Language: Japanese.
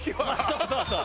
そうそうそう。